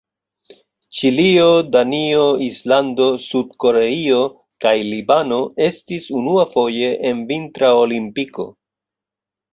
Ĉilio, Danio, Islando, Sud-Koreio kaj Libano estis unuafoje en Vintra Olimpiko.